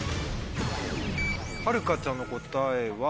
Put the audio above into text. はるかちゃんの答えは。